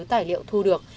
tài liệu thu được